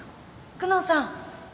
・久能さん。